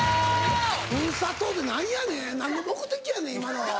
古里って何やねん何の目的やねん今のは。